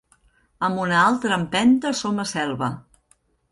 Amb una altra empenta som a Selva.